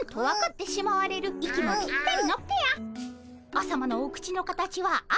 あさまのお口の形は「あ」。